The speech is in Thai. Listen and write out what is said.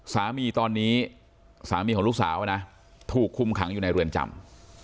สามีตอนนี้สามีของลูกสาวนะถูกคุมขังอยู่ในเรือนจำ